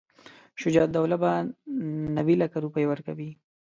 شجاع الدوله به نیوي لکه روپۍ ورکوي.